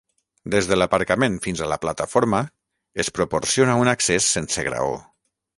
Des de l'aparcament fins a la plataforma, es proporciona un accés sense graó.